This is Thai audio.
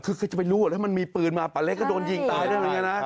เคยเคยไปรู้แล้วมันมีปืนมาป่าเล็กจะโดนยิงได้ต้นอย่างงี้นะ